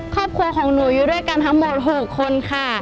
ครอบครัวของหนูอยู่ด้วยกันทั้งหมด๖คนค่ะ